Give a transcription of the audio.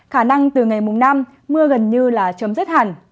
khả năng từ ngày mùng năm mưa gần như là chấm dứt hẳn